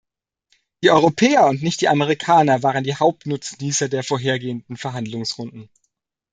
Die Europäer und nicht die Amerikaner waren die Hauptnutznießer der vorhergehenden Verhandlungsrunden.